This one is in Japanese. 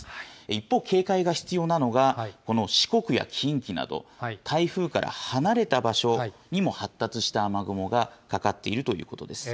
一方、警戒が必要なのが、この四国や近畿など、台風から離れた場所にも発達した雨雲がかかっているということです。